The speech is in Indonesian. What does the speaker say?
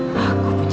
maunya konsen boh